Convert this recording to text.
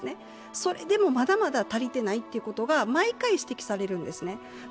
それでも、まだまだ足りてないということが毎回、指摘されるんですね。